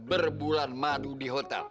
berbulan madu di hotel